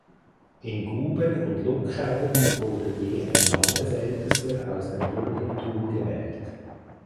In Guben und Luckau wurde je ein Landesältester aus dem Bürgertum gewählt.